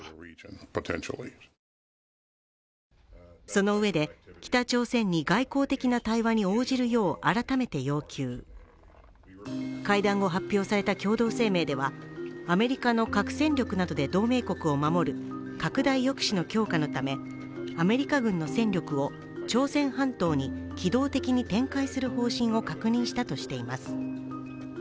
そのうえで、北朝鮮に外交的な対話に応じるよう改めて要求。会談後発表された共同声明ではアメリカの核戦力などで同盟国を守る拡大抑止の強化のためアメリカ軍の戦力を朝鮮半島に機動的に展開する方針を確認したとしています。